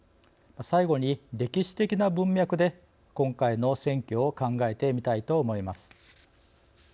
最後に歴史的な文脈で今回の選挙を考えてみたいと思います。